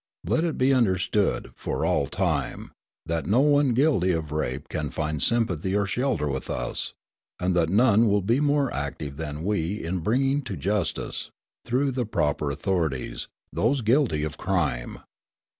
Let it be understood, for all time, that no one guilty of rape can find sympathy or shelter with us, and that none will be more active than we in bringing to justice, through the proper authorities, those guilty of crime.